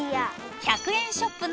［１００円ショップの］